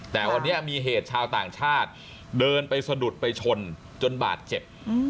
แต่วันนี้มีเหตุชาวต่างชาติเดินไปสะดุดไปชนจนบาดเจ็บ